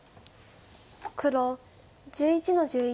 黒１１の十一。